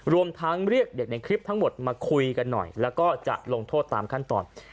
รวมทั้งเรียกเด็กในคลิปทั้งหมดมาคุยกันหน่อยแล้วก็จะลงโทษตามขั้นตอน